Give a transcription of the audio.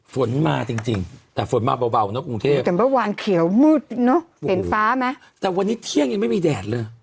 ฝนมาจริงจริงแต่ฝนมาเบานะกรุงเทพแต่เมื่อวานเขียวมืดเนอะเห็นฟ้าไหมแต่วันนี้เที่ยงยังไม่มีแดดเลย